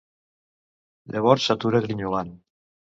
Llavors s'atura, grinyolant.